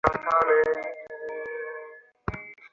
একটা ফ্লোটিলার মাঝে ও যখন টার্গেটকে ধাওয়া করছিল, তখন মনে হয়নি?